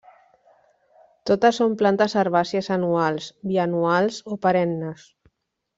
Totes són plantes herbàcies anuals, bianuals o perennes.